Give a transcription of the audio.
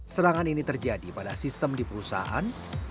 serangan ini terjadi pada sistem di perusahaan